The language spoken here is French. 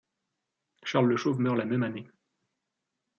Charles le Chauve meurt la même année.